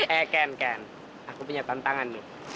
eh ken ken aku punya tantangan nih